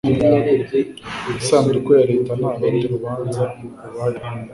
isanduku ya leta nta rundi rubanza rubayeho